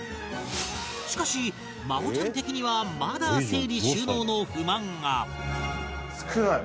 しかし麻帆ちゃん的にはまだ整理収納の不満が少ない。